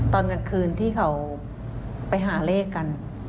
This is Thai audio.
ตอนกลางคืนที่เขาไปหาเลขกัน